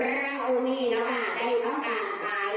และพระองค์นี่นะคะให้ทั้งความสหาย